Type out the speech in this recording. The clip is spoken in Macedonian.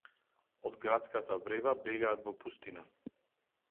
Од градската врева бегаат во пустина